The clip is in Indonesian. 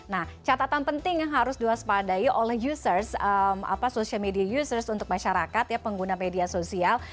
nah catatan penting yang harus diwaspadai oleh users social media users untuk masyarakat ya pengguna media sosial